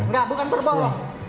enggak bukan berbohong